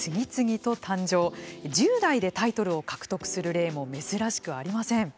１０代でタイトルを獲得する例も珍しくありません。